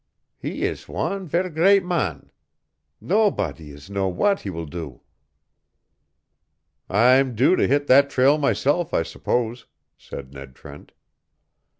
He ees wan ver' great man. Nobodee is know w'at he will do." "I'm due to hit that trail myself, I suppose," said Ned Trent.